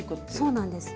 そうなんです。